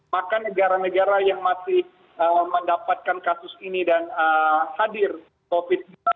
maka negara negara yang masih mendapatkan kasus ini dan hadir covid sembilan belas